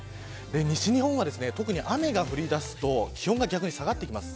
西日本は、特に雨が降りだすと逆に気温が下がってきます。